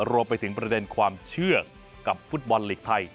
รวมไปถึงประเด็นความเชื่อกับฟุตบอลลีกไทย